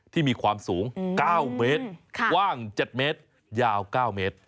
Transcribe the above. ที่มีความสูง๙เมตรกว้าง๗เมตรยาว๙เมตร